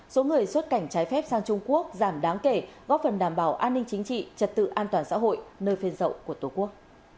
số người xuất cảnh trái phép sang trung quốc giảm đáng kể góp phần đảm bảo an ninh chính trị trật tự an toàn xã hội nơi phên dậu của tổ quốc